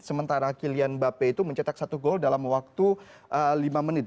sementara kylian mbappe itu mencetak satu gol dalam waktu lima menit